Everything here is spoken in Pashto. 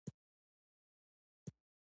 شيانو ته په بې پرې انداز وګوري.